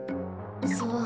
そう。